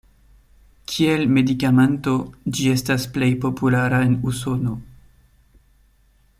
Kiel medikamento ĝi estas plej populara en Usono.